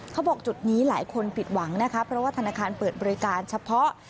เขาบอกจุดนี้หลายคนผิดหวังนะคะเพราะว่าธนาคารเปิดบริการเฉพาะ